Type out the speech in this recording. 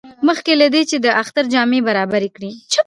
مخکې له دې چې د اختر جامې برابرې کړي.